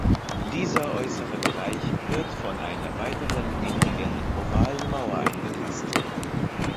Dieser äußere Bereich wird von einer weiteren niedrigen ovalen Mauer eingefasst.